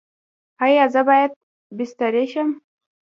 ایا زه باید بستري شم؟